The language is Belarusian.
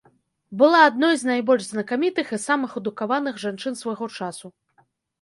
Была адной з найбольш знакамітых і самых адукаваных жанчын свайго часу.